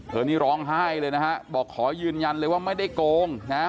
นี่ร้องไห้เลยนะฮะบอกขอยืนยันเลยว่าไม่ได้โกงนะฮะ